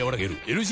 ⁉ＬＧ